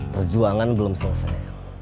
perjuangan belum selesai